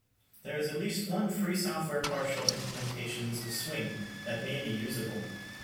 There is at least one free-software partial implementations of Swing that may be usable.